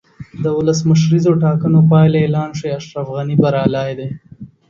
د ولسمشریزو ټاکنو پایلې اعلان شوې، اشرف غني بریالی دی.